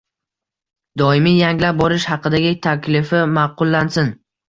Doimiy yangilab borish haqidagi taklifi ma’qullansin.